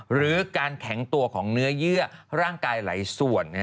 หรือการแข็งตัวของเนื้อเยื่อร่างกายหลายส่วน